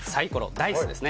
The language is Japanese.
ダイスですね。